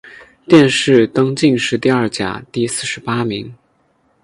殿试登进士第二甲第四十八名。